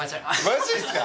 マジっすか？